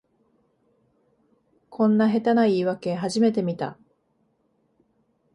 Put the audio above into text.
こんな下手な言いわけ初めて見た